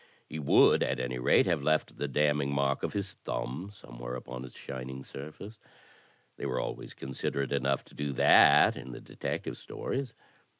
He would at any rate have left the damning mark of his thiunb somewhere upon its shining surface: they were always considerate enough to do that — in the detective stories.